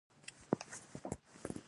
ایا زما خپګان به ښه شي؟